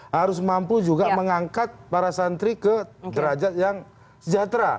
harus mampu juga mengangkat para santri ke derajat yang sejahtera